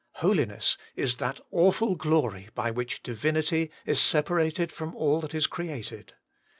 Holiness is that awful glory by which Divinity is separated from all that is created.